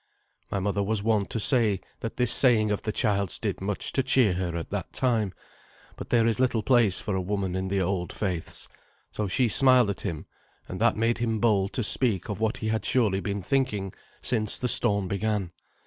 My mother was wont to say that this saying of the child's did much to cheer her at that time, but there is little place for a woman in the old faiths. So she smiled at him, and that made him bold to speak of what he had surely been thinking since the storm began.